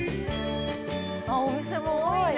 ◆お店も多いね。